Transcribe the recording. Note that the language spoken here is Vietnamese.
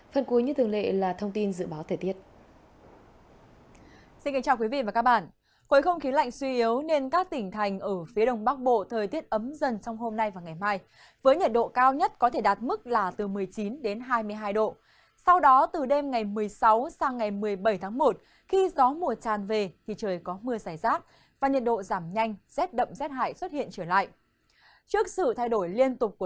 phần cuối như thường lệ là thông tin dự báo thời tiết